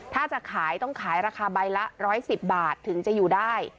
ถ้าจะขายต้องขายราคาใบละ๑๑๐บาทถึงจะอยู่ได้